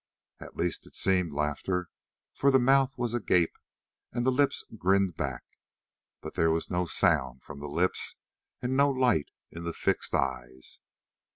At least it seemed laughter, for the mouth was agape and the lips grinned back, but there was no sound from the lips and no light in the fixed eyes.